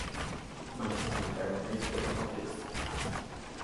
มันใส่แล้วไม่สวยเท่าเด็กใส่อะ